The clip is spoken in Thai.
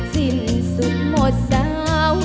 สิ้นสุดหมดเศร้า